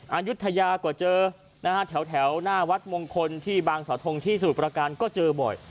อายุทยาก็เจอนะฮะแถวหน้าวัดมงคลที่บางสาวทงที่สมุทรประการก็เจอบ่อย